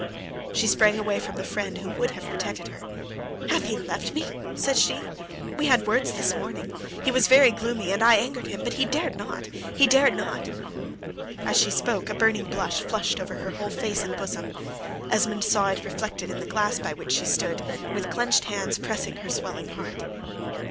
She sprang away from the friend who would have protected her: "Hath he left me?" says she. "We had words this morning: he was very gloomy, and I angered him: but he dared not, he dared not!" As she spoke a burning blush flushed over her whole face and bosom. Esmond saw it reflected in the glass by which she stood, with clenched hands, pressing her swelling heart.